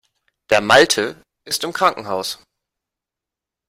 Der Malte ist im Krankenhaus.